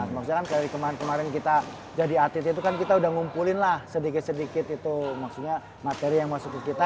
maksudnya kan dari kemarin kemarin kita jadi atlet itu kan kita udah ngumpulin lah sedikit sedikit itu maksudnya materi yang masuk ke kita